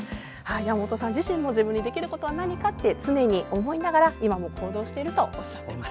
山本さん自身も自分にできることは何かと常に思いながら今も行動しているとおっしゃっていました。